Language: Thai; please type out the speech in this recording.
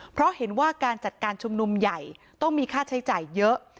เพราะเห็นว่าการจัดการชุมนุมใหญ่ต้องมีค่าใช้จ่ายเยอะ